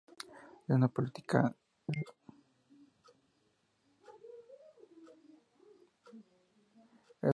Es una política mexicana, miembro del Partido Acción Nacional.